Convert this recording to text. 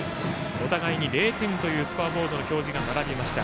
お互いに、０点というスコアボードの表示が並びました。